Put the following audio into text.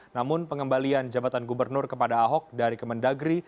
namun pengembalian jabatan gubernur kepada ahok dari kemendagri